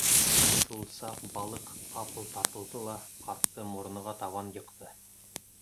Шул саҡ балыҡ ҡапыл тартылды ла ҡартты моронға табан йыҡты.